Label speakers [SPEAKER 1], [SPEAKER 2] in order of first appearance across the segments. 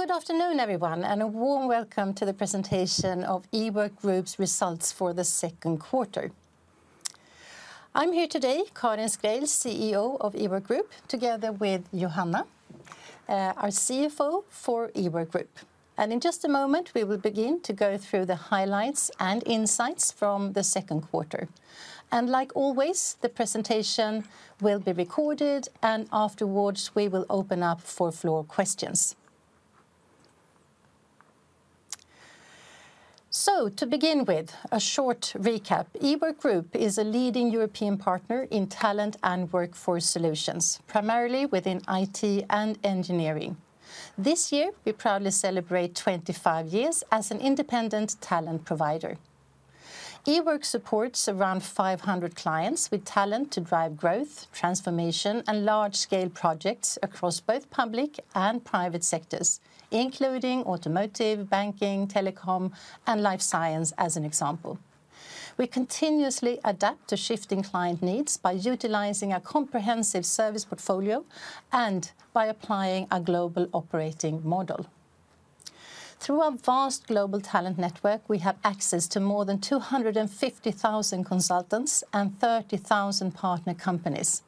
[SPEAKER 1] Good afternoon everyone and a warm welcome to the presentation of Ework Group's results for the second quarter. I'm here today, Karin Schreil, CEO of Ework Group, together with Johanna, our CFO for Ework Group. In just a moment we will begin to go through the highlights and insights from the second quarter. Like always, the presentation will be recorded and afterwards we will open up for floor questions. To begin with a short recap, Ework Group is a leading European partner in talent and workforce solutions, primarily within IT and engineering. This year we proudly celebrate 25 years as an independent talent provider. Ework supports around 500 clients with talent to drive growth, transformation, and large-scale projects across both public and private sectors including automotive, banking, telecom, and life science. As an example, we continuously adapt to shifting client needs by utilizing a comprehensive service portfolio and by applying a global operating model. Through our vast global talent network, we have access to more than 250,000 consultants and 30,000 partner companies.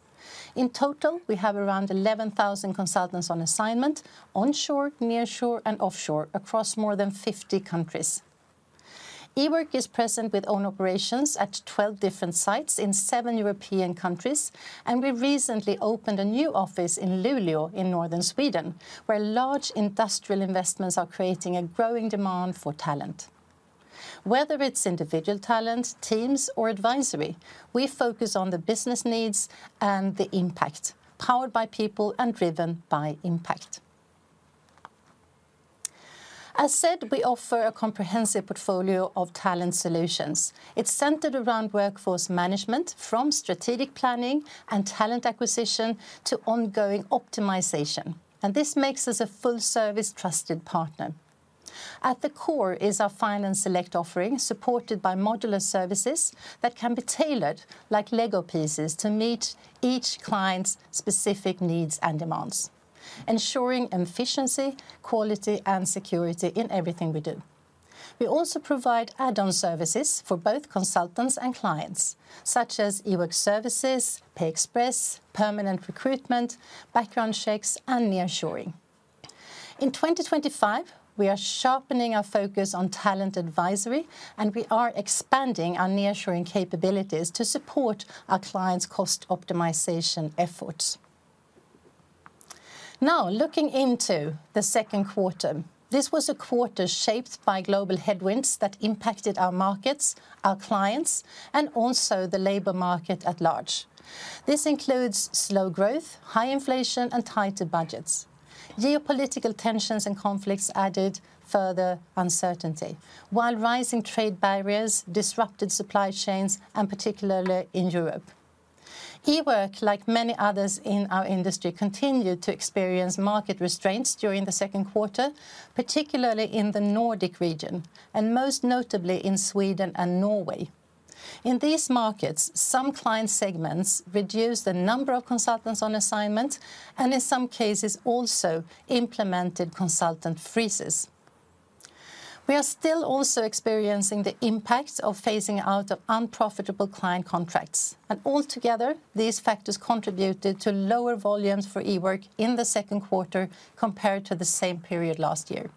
[SPEAKER 1] In total, we have around 11,000 consultants on assignment onshore, nearshore, and offshore across more than 50 countries. Ework is present with own operations at 12 different sites in seven European countries, and we recently opened a new office in Luleå in northern Sweden where large industrial investments are creating a growing demand for talent. Whether it's individual talent, teams, or advisory, we focus on the business needs and the impact powered by people and driven by impact. As said, we offer a comprehensive portfolio of talent solutions. It's centered around workforce management, from strategic planning and talent acquisition to ongoing optimization, and this makes us a full-service trusted partner. At the core is our Finance select offering, supported by modular services that can be tailored like Lego pieces to meet each client's specific needs and demands, ensuring efficiency, quality, and security in everything we do. We also provide add-on services for both consultants and clients such as Ework Services, PayExpress, permanent recruitment, background checks, and nearshoring. In 2025 we are sharpening our focus on talent advisory, and we are expanding our nearshoring capabilities to support our clients' cost optimization efforts. Now looking into the second quarter. This was a quarter shaped by global headwinds that impacted our markets, our clients, and also the labor market at large. This includes slow growth, high inflation, and tighter budgets. Geopolitical tensions and conflicts added further uncertainty while rising trade barriers disrupted supply chains, particularly in Europe. Ework, like many others in our industry, continued to experience market restraints during the second quarter, particularly in the Nordic region and most notably in Sweden and Norway. In these markets, some client segments reduced the number of consultants on assignment and in some cases also implemented consultant freezes. We are still also experiencing the impact of phasing out of unprofitable client contracts and altogether these factors contribute to lower volumes for Ework in the second quarter compared to the same period last year.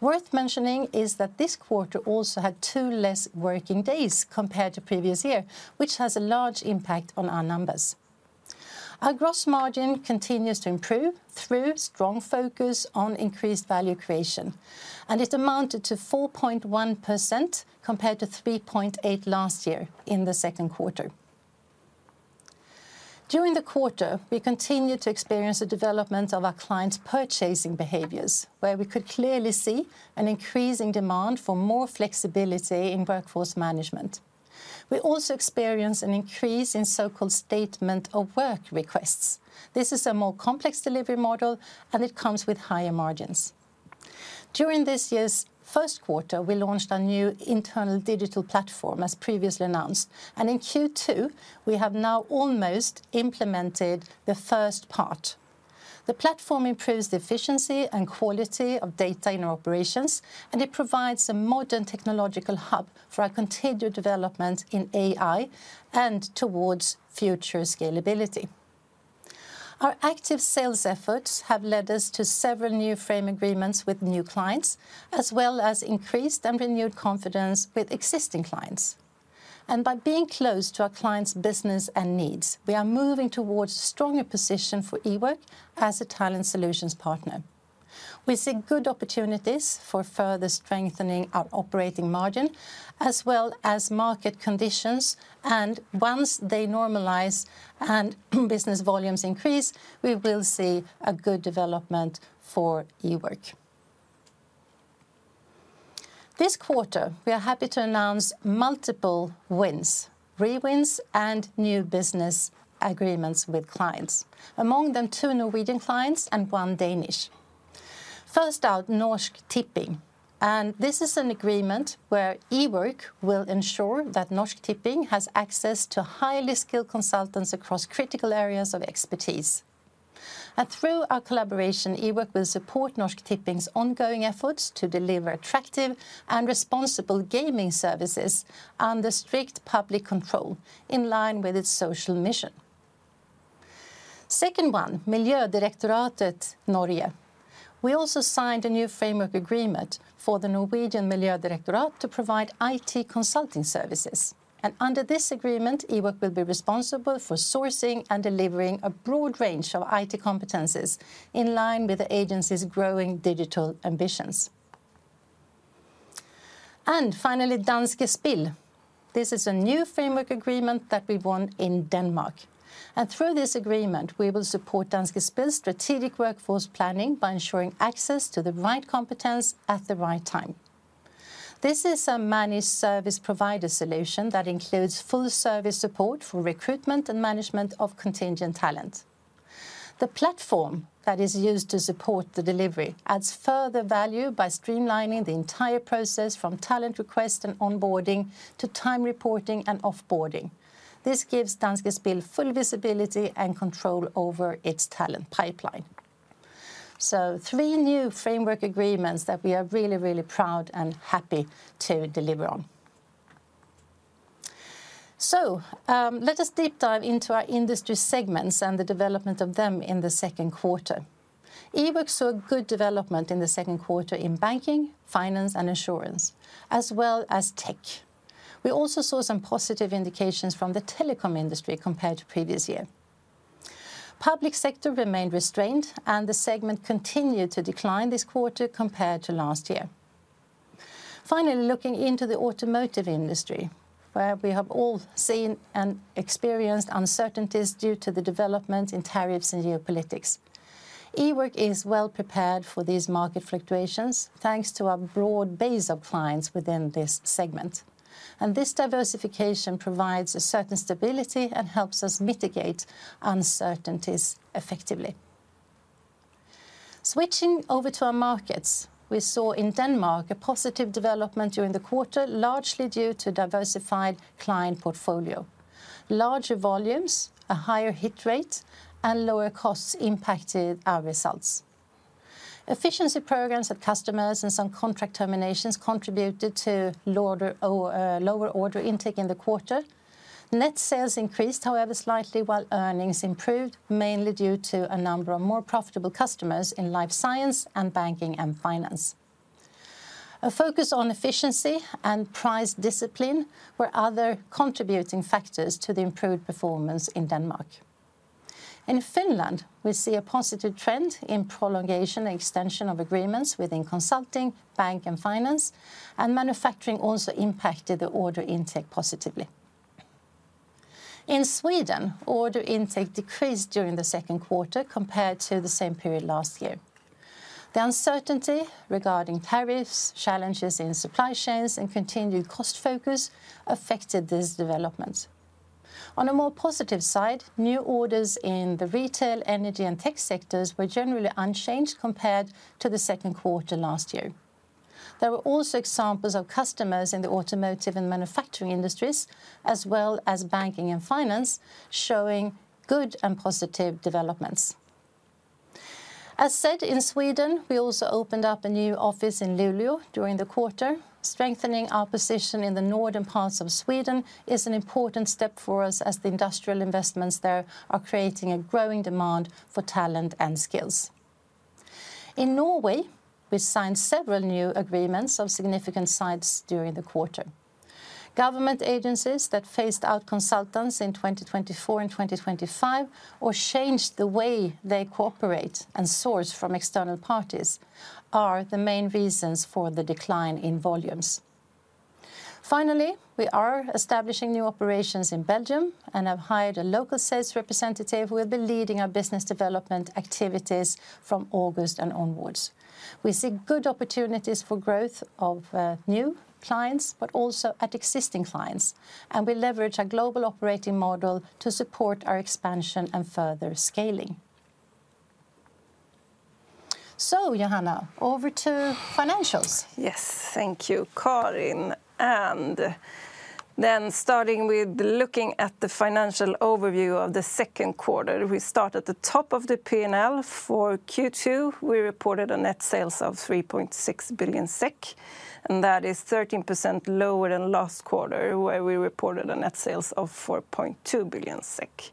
[SPEAKER 1] Worth mentioning is that this quarter also had two less working days compared to previous year, which has a large impact on our numbers. Our gross margin continues to improve through strong focus on increased value creation and it amounted to 4.1% compared to 3.8% last year in the second quarter. During the quarter, we continued to experience the development of our clients' purchasing behaviors where we could clearly see an increasing demand for more flexibility in workforce management. We also experienced an increase in so-called statement of work requests. This is a more complex delivery model and it comes with higher margins. During this year's first quarter, we launched our new internal digital platform as previously announced and in Q2 we have now almost implemented the first part. The platform improves the efficiency and quality of data in our operations and it provides a modern technological hub for our continued development in AI integration and towards future scalability. Our active sales efforts have led us to several new framework agreements with new clients as well as increased and renewed confidence with existing clients. By being close to our clients' business and needs, we are moving towards a stronger position for Ework. As a Talent Solutions partner, we see good opportunities for further strengthening our operating margin as well as market conditions. Once they normalize and business volumes increase, we will see a good development for Ework. This quarter, we are happy to announce multiple wins, re-wins, and new business agreements with clients. Among them, two Norwegian clients and one Danish. First out, Norsk Tipping. This is an agreement where Ework will ensure that Norsk Tipping has access to highly skilled consultants across critical areas of expertise. Through our collaboration, Ework will support Norsk Tipping's ongoing efforts to deliver attractive and responsible gaming services under strict public control in line with its social mission. Second, Miljødirektoratet Norge. We also signed a new framework agreement for the Norwegian Miljødirektoratet to provide IT consulting services. Under this agreement, Ework will be responsible for sourcing and delivering a broad range of IT competencies in line with the agency's growing digital ambitions. Finally, Danske Spil. This is a new framework agreement that we won in Denmark, and through this agreement we will support Danske Spil's strategic workforce planning by ensuring access to the right competence at the right time. This is a managed service provider solution that includes full service support for recruitment and management of contingent talent. The platform that is used to support the delivery adds further value by streamlining the entire process from talent request and onboarding to time reporting and offboarding. This gives Danske Spil full visibility and control over its talent pipeline. Three new framework agreements that we are really, really proud and happy to deliver on. Let us deep dive into our industry segments and the development of them in the second quarter. Ework saw good development in the second quarter in banking, finance and assurance as well as tech. We also saw some positive indications from the telecom industry compared to previous year. Public sector remained restrained and the segment continued to decline this quarter compared to last year. Finally, looking into the automotive industry where we have all seen and experienced uncertainties due to the development in tariffs and geopolitics. Ework is well prepared for these market fluctuations thanks to a broad base of clients within this segment and this diversification provides a certain stability and helps us mitigate uncertainties effectively. Switching over to our markets, we saw in Denmark a positive development during the quarter largely due to diversified client portfolio. Larger volumes, a higher hit rate and lower costs impacted our results. Efficiency programs at customers and some contract terminations contributed to lower order intake in the quarter. Net sales increased, however, slightly while earnings improved mainly due to a number of more profitable customers in life science and banking and finance. A focus on efficiency and price discipline were other contributing factors to the improved performance in Denmark. In Finland, we see a positive trend in prolongation and extension of agreements within consulting, bank and finance, and manufacturing also impacted the order intake positively. In Sweden, order intake decreased during the second quarter compared to the same period last year. The uncertainty regarding tariffs, challenges in supply chains, and continued cost focus affected these developments. On a more positive side, new orders in the retail, energy, and tech sectors were generally unchanged compared to the second quarter last year. There were also examples of customers in the automotive and manufacturing industries as well as banking and finance showing good and positive developments. As said, in Sweden, we also opened up a new office in Luleå during the quarter. Strengthening our position in the northern parts of Sweden is an important step for us as the industrial investments there are creating a growing demand for talent and skills. In Norway, we signed several new agreements of significant size during the quarter. Government agencies that phased out consultants in 2024 and 2025 or changed the way they cooperate and source from external parties are the main reasons for the decline in volumes. Finally, we are establishing new operations in Belgium and have hired a local sales representative who will be leading our business development activities from August and onwards. We see good opportunities for growth of new clients but also at existing clients, and we leverage a global operating model to support our expansion and further scaling. Johanna, over to financials.
[SPEAKER 2] Yes, thank you, Karin. Starting with looking at the financial overview of the second quarter, we start at the top of the P&L. For Q2 we reported a net sales of 3.6 billion SEK and that is 13% lower than last quarter where we reported a net sales of 4.2 billion SEK.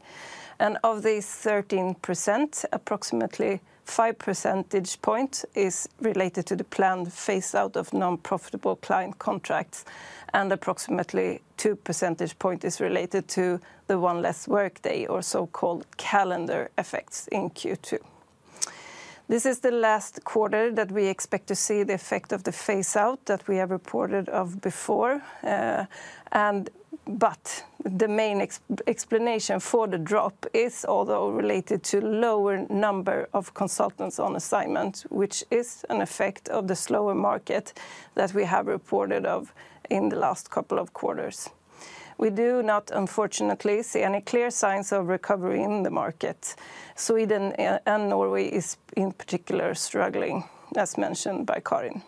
[SPEAKER 2] Of these 13%, approximately 5 percentage point is related to the planned phase out of non-profitable client contracts and approximately 2 percentage point is related to the one less workday or so-called calendar effects in Q2. This is the last quarter that we expect to see the effect of the phase out that we have reported before. The main explanation for the drop is also related to lower number of consultants on assignment, which is an effect of the slower market that we have reported in the last couple of quarters. We do not unfortunately see any clear signs of recovery in the market. Sweden and Norway are in particular struggling, as mentioned by Karin.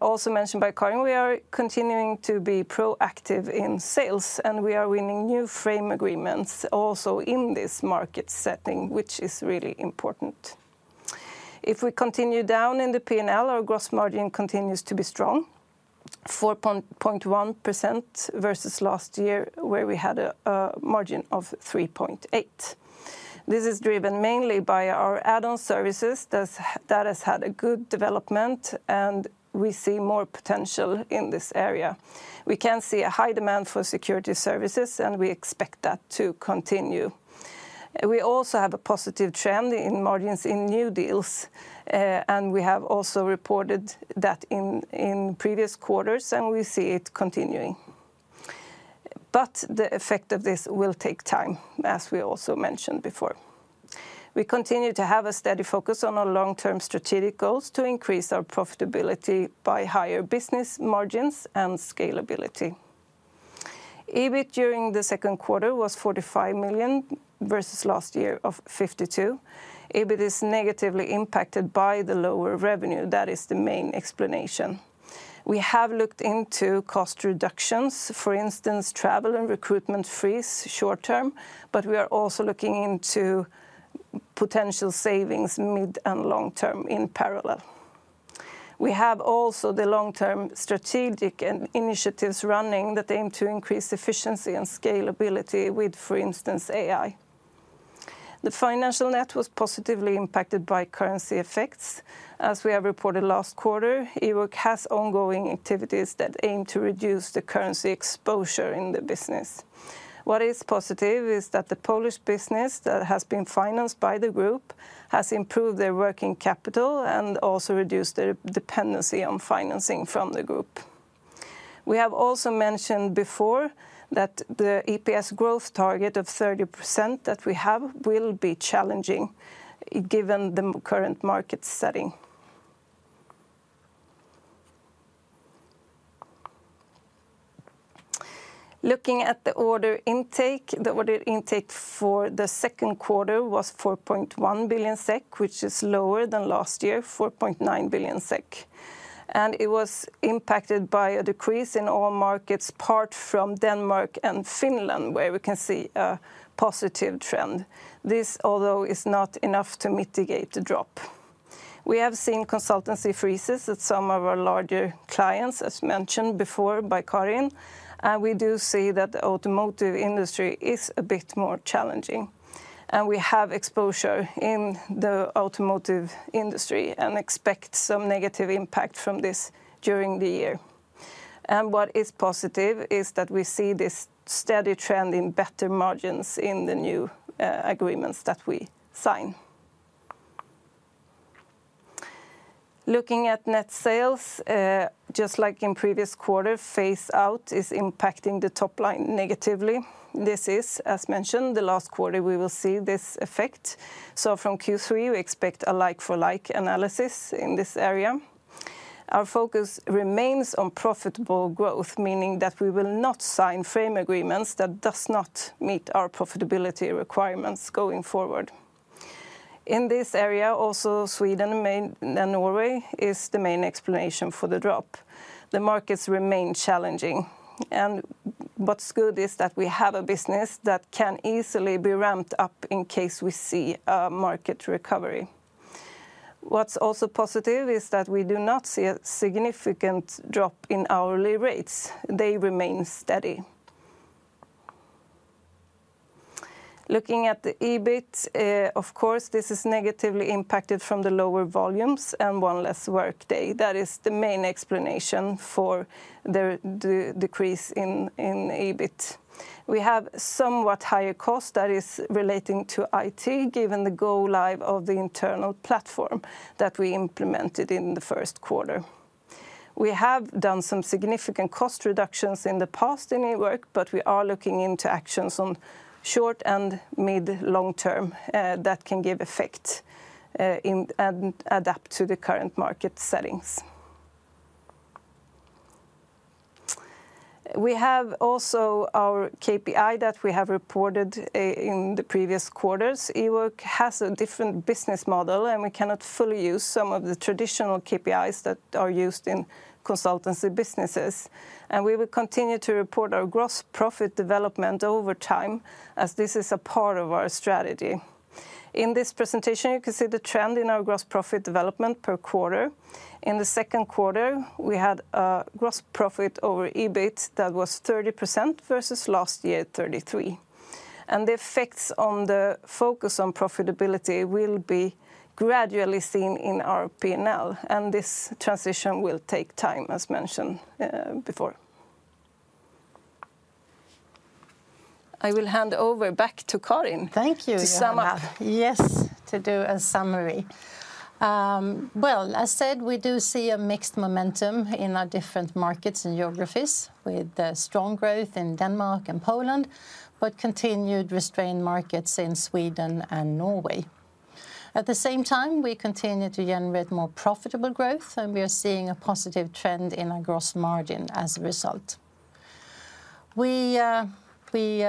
[SPEAKER 2] Also mentioned by Karin, we are continuing to be proactive in sales and we are winning new framework agreements also in this market setting, which is really important. If we continue down in the P&L, our gross margin continues to be strong, 4.1% versus last year where we had a margin of 3.8%. This is driven mainly by our add-on services that have had a good development and we see more potential in this area. We can see a high demand for security services and we expect that to continue. We also have a positive trend in margins in new deals and we have also reported that in previous quarters and we see it continuing. The effect of this will take time. As we also mentioned before, we continue to have a steady focus on our long-term strategic goals to increase our profitability by higher business margins and scalability. EBIT during the second quarter was 45 million versus last year of 52 million. EBIT is negatively impacted by the lower revenue. That is the main explanation. We have looked into cost reductions, for instance travel and recruitment freeze short term. We are also looking into potential savings mid and long term. In parallel, we have also the long-term strategic initiatives running that aim to increase efficiency and scalability, with for instance AI. The financial net was positively impacted by currency effects as we have reported last quarter. Ework has ongoing activities that aim to reduce the currency exposure in the business. What is positive is that the Polish business that has been financed by the group has improved their working capital and also reduced their dependency on financing from the group. We have also mentioned before that the EPS growth target of 30% that we have will be challenging given the current market setting. Looking at the order intake, the order intake for the second quarter was 4.1 billion SEK, which is lower than last year, 4.9 billion SEK, and it was impacted by a decrease in oil markets, apart from Denmark and Finland where we can see a positive trend. This, although, is not enough to mitigate the drop. We have seen consultancy freezes at some of our larger clients as mentioned before by Karin, and we do see that the automotive industry is a bit more challenging, and we have exposure in the automotive industry and expect some negative impact from this during the year. What is positive is that we see this steady trend in better margins in the new agreements that we sign. Looking at net sales, just like in previous quarter, phase out is impacting the top line negatively. This is, as mentioned, the last quarter we will see this effect. From Q3 we expect a like-for-like analysis. In this area, our focus remains on profitable growth, meaning that we will not sign firm agreements that do not meet our profitability requirements going forward in this area. Also, Sweden and Norway is the main explanation for the drop. The markets remain challenging, and what's good is that we have a business that can easily be ramped up in case we see a market recovery. What's also positive is that we do not see a significant drop in hourly rates. They remain steady. Looking at the EBIT, of course, this is negatively impacted from the lower volumes and one less workday. That is the main explanation for the decrease in EBIT. We have somewhat higher cost that is relating to IT given the go-live of the internal platform that we implemented in the first quarter. We have done some significant cost reductions in the past in Ework, but we are looking into actions on short and mid-long term that can give effect and adapt to the current market settings. We have also our KPI that we have reported in the previous quarters. Ework has a different business model, and we cannot fully use some of the traditional KPIs that are used in consultancy businesses, and we will continue to report our gross profit development over time as this is a part of our strategy. In this presentation you can see the trend in our gross profit development per quarter. In the second quarter we had a gross profit over EBIT that was 30% versus last year 33% and the effects on the focus on profitability will be gradually seen in our P&L and this transition will take time. As mentioned before, I will hand over back to Karin.
[SPEAKER 1] Thank you. Yes, to do a summary. As said, we do see a mixed momentum in our different markets and geographies with strong growth in Denmark and Poland but continued restrained markets in Sweden and Norway. At the same time, we continue to generate more profitable growth and we are seeing a positive trend in our gross margin as a result. We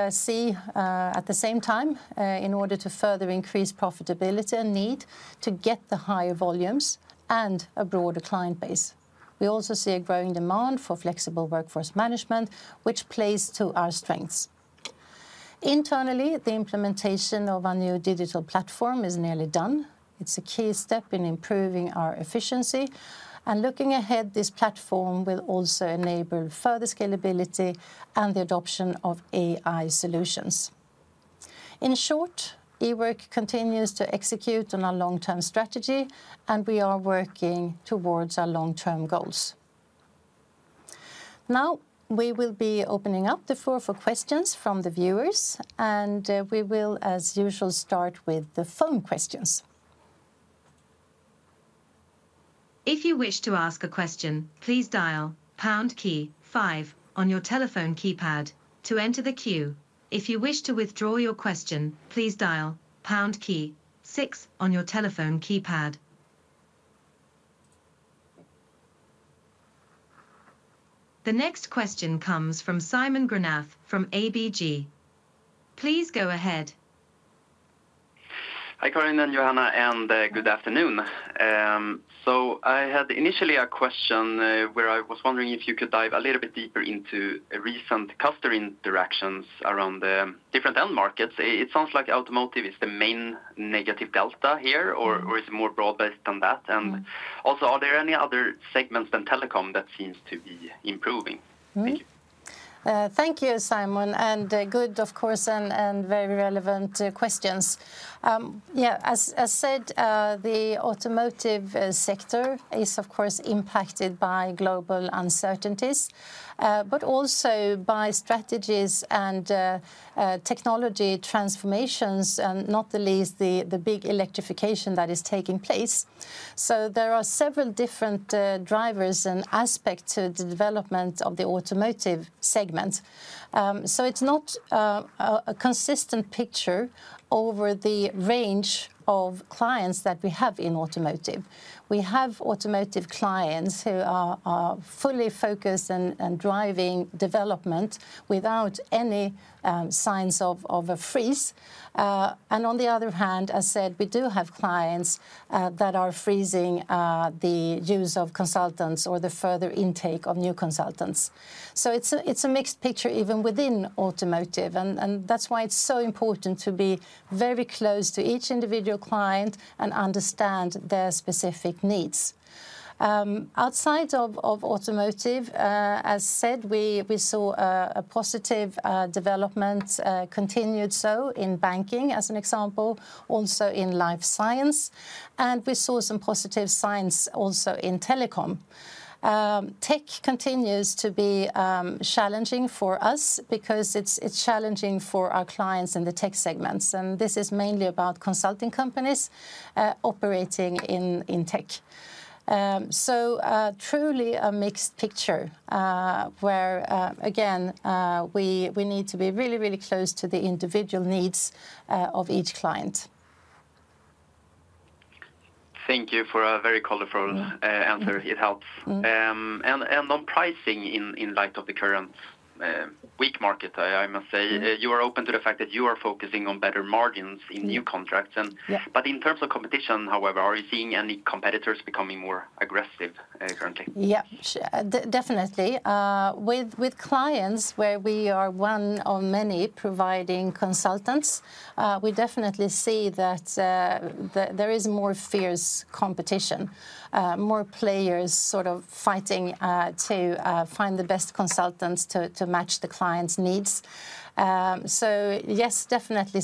[SPEAKER 1] see at the same time, in order to further increase profitability, a need to get the higher volumes and a broader client base. We also see a growing demand for flexible workforce management which plays to our strengths. Internally, the implementation of our new digital platform is nearly done. It's a key step in improving our efficiency and looking ahead. This platform will also enable further scalability and the adoption of AI integration. In short, Ework continues to execute on our long term strategy and we are working towards our long term goals. Now we will be opening up the floor for questions from the viewers and we will, as usual, start with the phone questions.
[SPEAKER 3] If you wish to ask a question, please dial pound key five on your telephone keypad to enter the queue. If you wish to withdraw your question, please dial pound key six on your telephone keypad. The next question comes from Simon Granath from ABG. Please go ahead.
[SPEAKER 4] Hi, Karin and Johanna, and good afternoon. I had initially a question where I was wondering if you could dive a little bit deeper into recent customer interactions around the different end markets. It sounds like automotive is the main negative delta here, or is it more broad based than that? Also, are there any other segments than telecom that seem to be improving?
[SPEAKER 1] Thank you, Simon, and good. Of course. Very relevant questions. As said, the automotive sector is of course impacted by global uncertainties, but also by strategies and technology transformations, and not the least the big electrification that is taking place. There are several different drivers and aspects to the development of the automotive segment. It's not a consistent picture over the range of clients that we have in automotive. We have automotive clients who are fully focused and driving development without any signs of a freeze. On the other hand, as said, we do have clients that are freezing the use of consultants or the further intake of new consultants. It's a mixed picture even within automotive. That's why it's so important to be very close to each individual client and understand their specific needs. Outside of automotive, as said, we saw a positive development and continued so in banking as an example, also in life science, and we saw some positive signs also in telecom. Tech continues to be challenging for us because it's challenging for our clients in the tech segments. This is mainly about consulting companies operating in tech. Truly a mixed picture where again we need to be really, really close to the individual of each client.
[SPEAKER 4] Thank you for a very colorful answer. It helps. On pricing, in light of the current weak market, I must say you are open to the fact that you are focusing on better margins in new contracts. In terms of competition, however, are you seeing any competitors becoming more aggressive currently?
[SPEAKER 1] Yeah, definitely. With clients where we are one of many providing consultants, we definitely see that there is more fierce competition, more players sort of fighting to find the best consultants to match the client's needs. Yes, definitely.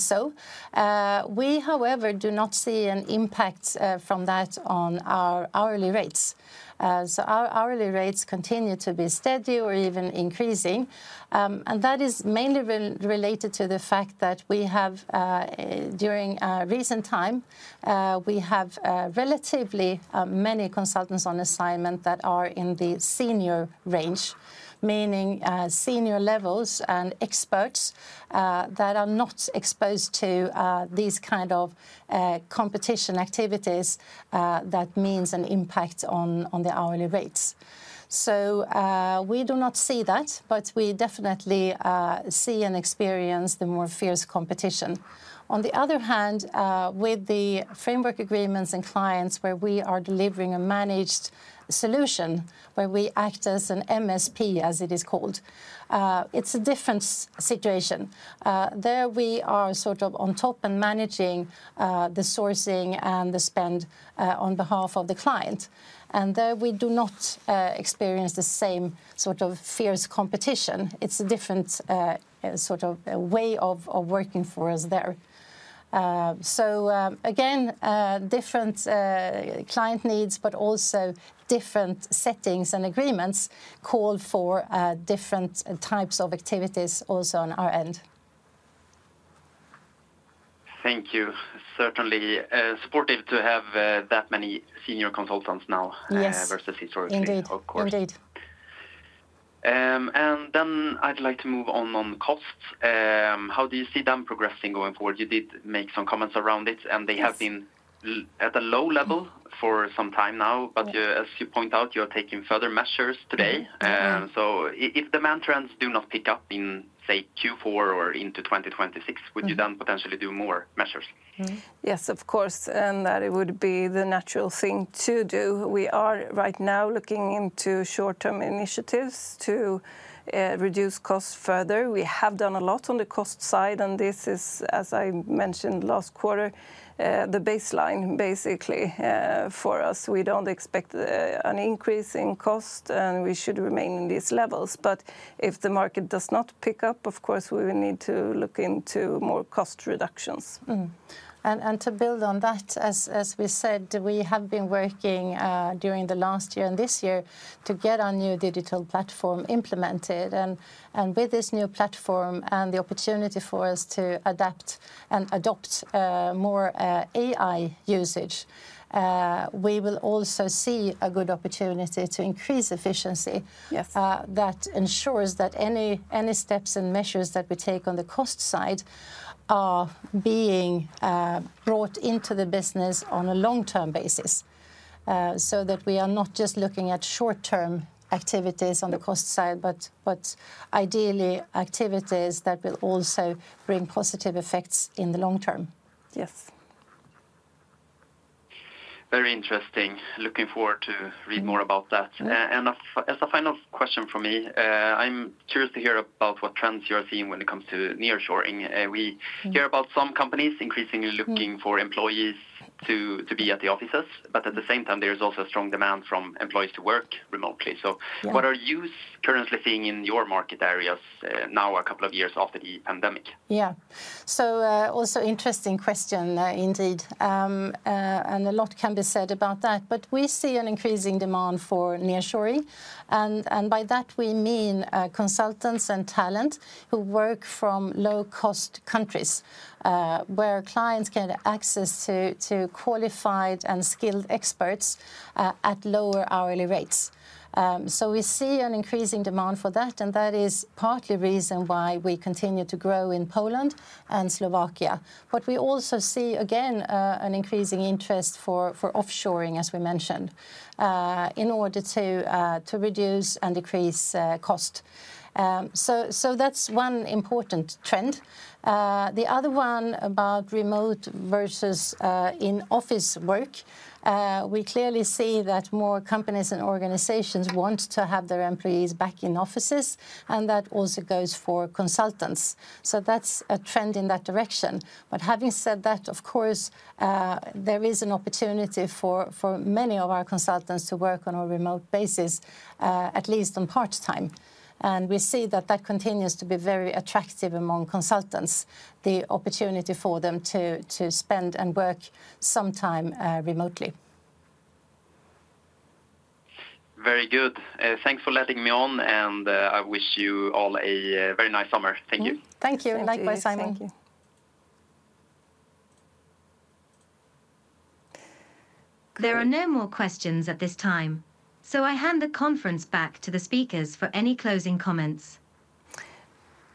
[SPEAKER 1] We, however, do not see an impact from that on our hourly rates. Our hourly rates continue to be steady or even increasing, and that is mainly related to the fact that during recent time we have relatively many consultants on assignment that are in the senior range, meaning senior levels and experts that are not exposed to these kind of competition activities. That means an impact on the hourly rates. We do not see that, but we definitely see and experience the more fierce competition. On the other hand, with the framework agreements and clients where we are delivering a managed solution, where we act as an MSP as it is called, it's a different situation. There we are sort of on top and managing the sourcing and the spend on behalf of the client, and there we do not experience the same sort of fierce competition. It's a different sort of way of working for us there. Again, different client needs but also different settings and agreements call for different types of activities also on our end.
[SPEAKER 4] Thank you. Certainly supportive to have that many senior consultants now versus situation.
[SPEAKER 1] Indeed, indeed.
[SPEAKER 4] I'd like to move on to costs. How do you see them progressing going forward? You did make some comments around it, and they have been at a low level for some time now. As you point out, you're taking further measures today. If demand trends do not pick up in, say, Q4 or into 2026, would you then potentially do more measures?
[SPEAKER 2] Yes, of course. It would be the natural thing to do. We are right now looking into short term initiatives to reduce costs further. We have done a lot on the cost side and this is, as I mentioned last quarter, the baseline. Basically for us, we don't expect an increase in cost and we should remain in these levels. If the market does not pick up, of course we will need to look into more cost reductions.
[SPEAKER 1] To build on that, as we said, we have been working during the last year and this year to get our new digital platform implemented, and with this new platform and the opportunity for us to adapt and adopt more AI usage, we will also see a good opportunity to increase efficiency. That ensures that any steps and measures that we take on the cost side are being brought into the business on a long-term basis, so that we are not just looking at short-term activities on the cost side, but ideally activities that will also bring positive effects in the long-term. Yes.
[SPEAKER 4] Very interesting. Looking forward to read more about that. As a final question for me, I'm curious to hear about what trends you are seeing when it comes to nearshoring. We hear about some companies increasingly looking for employees to be at the offices, but at the same time there is also a strong demand from employees to work remotely. What are you currently seeing in your market areas now, a couple of years after the pandemic?
[SPEAKER 1] Yeah, also interesting question indeed, and a lot can be said about that. We see an increasing demand for nearshoring. By that we mean consultants and talent who work from low cost countries where clients get access to qualified and skilled experts at lower hourly rates. We see an increasing demand for that and that is partly the reason why we continue to grow in Poland and Slovakia. We also see again an increasing interest for offshoring, as we mentioned, in order to reduce and decrease cost. That is one important trend. The other one about remote versus in office work, we clearly see that more companies and organizations want to have their employees back in offices and that also goes for consultants. That is a trend in that direction. Having said that, of course there is an opportunity for many of our consultants to work on a remote basis, at least on part time. We see that that continues to be very attractive among consultants, the opportunity for them to spend and work sometime remotely.
[SPEAKER 4] Very good. Thanks for letting me on, and I wish you all a very nice summer. Thank you.
[SPEAKER 1] Thank you. Likewise, Simon.
[SPEAKER 2] Thank you.
[SPEAKER 3] There are no more questions at this time, so I hand the conference back to the speakers for any closing comments.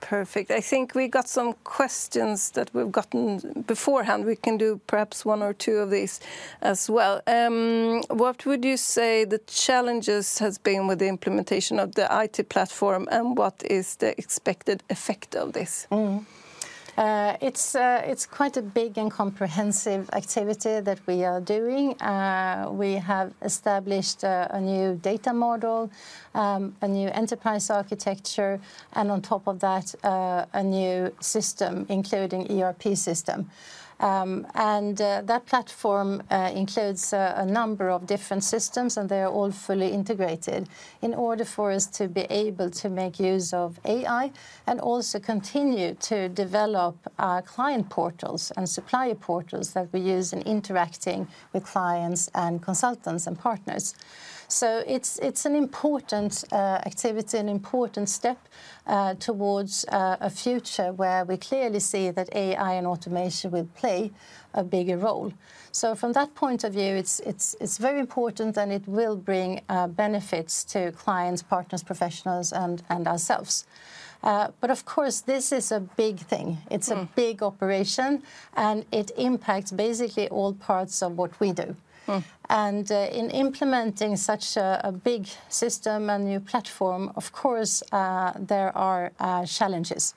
[SPEAKER 2] Perfect. I think we got some questions that we've gotten beforehand. We can do perhaps one or two of these as well. What would you say the challenges have been with the implementation of the IT platform, and what is the expected effect of this?
[SPEAKER 1] It's quite a big and comprehensive activity that we are doing. We have established a new data model, a new enterprise architecture, and on top of that a new system including ERP system. That platform includes a number of different systems, and they are all fully integrated in order for us to be able to make use of AI and also continue to develop client portals and supplier portals that we use in interacting with clients, consultants, and partners. It's an important activity, an important step towards a future where we clearly see that AI and automation will play a bigger role. From that point of view, it's very important and it will bring benefits to clients, partners, professionals, and ourselves. Of course, this is a big thing, it's a big operation, and it impacts basically all parts of what we do in implementing such a big system and new platform. Of course, there are challenges.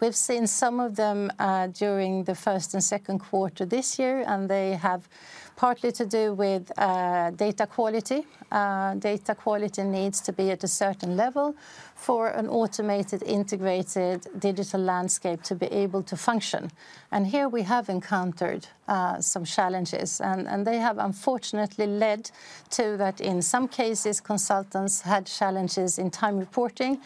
[SPEAKER 1] We've seen some of them during the first and second quarter this year, and they have partly to do with data quality. Data quality needs to be at a certain level for an automated, integrated digital landscape to be able to function. Here we have encountered some challenges, and they have unfortunately led to that in some cases, consultants had challenges in time reporting,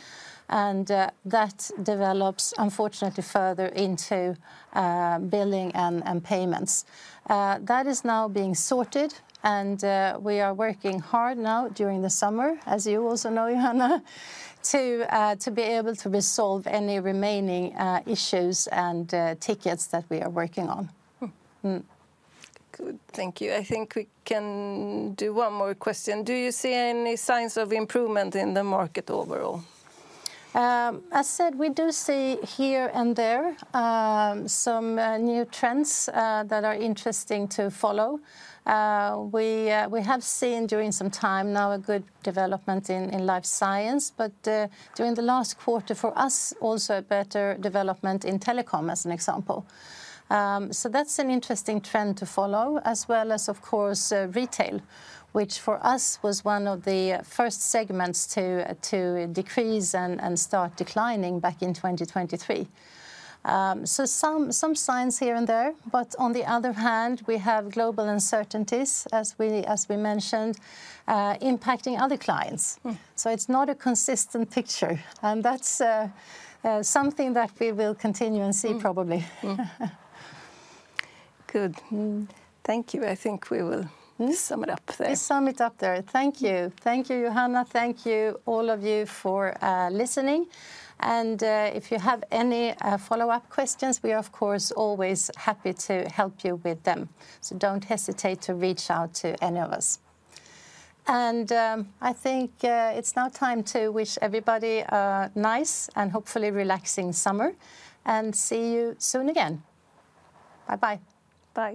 [SPEAKER 1] and that develops unfortunately further into billing and payments. That is now being sorted, and we are working hard now during the summer, as you also know, Johanna, to be able to resolve any remaining issues and tickets that we are working on.
[SPEAKER 2] Good, thank you. I think we can do one more question. Do you see any signs of improvement in the market overall?
[SPEAKER 1] As said, we do see here and there some new trends that are interesting to follow. We have seen during some time now a good development in life science, but during the last quarter for us also a better development in telecom as an example. That's an interesting trend to follow as well as, of course, retail, which for us was one of the first segments to decrease and start declining back in 2023. There are some signs here and there. On the other hand, we have global uncertainties as we mentioned, impacting other clients. It's not a consistent picture and that's something that we will continue and see probably.
[SPEAKER 2] Good, thank you. I think we will sum it up.
[SPEAKER 1] Thank you. Thank you, Johanna. Thank you all of you for listening, and if you have any follow-up questions, we are of course always happy to help you with them. Don't hesitate to reach out to any of us. I think it's now time to wish everybody a nice and hopefully relaxing summer, and see you soon again. Bye bye.
[SPEAKER 2] Bye.